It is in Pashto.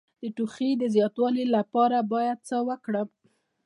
د ټوخي د زیاتوالي لپاره باید څه وکړم؟